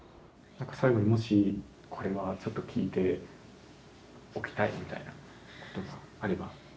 何か最後にもし「これはちょっと聞いておきたい」みたいなことがあれば。